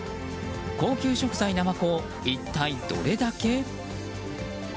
高級食材ナマコを一体どれだけ？